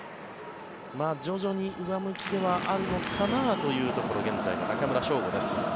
徐々に上向きではあるのかなというところ現在の中村奨吾です。